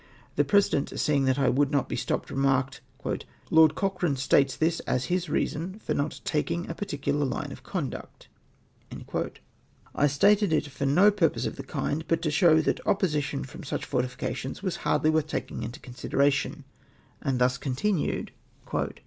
The President — seeing that I woidd not be stopped — remarked —" Lord Cochrane states this as his reason for not taking a 2?articidar line of conduct.'^ I stated it for no purpose of the kind, but to show that opposition from such fortifications was hardly worth taking into considera tion, and thus continued :— EVIDENCE KECEIVED BECAUSE OPPOSED TO AIINE.